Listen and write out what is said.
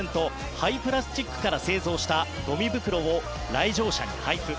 廃プラスチックから製造したごみ袋を来場者に配布。